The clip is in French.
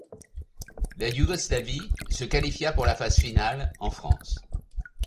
La Yougoslavie se qualifia pour la phase finale, en France.